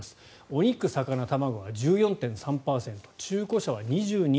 お肉、魚、卵が１４．３％中古車は２２．７％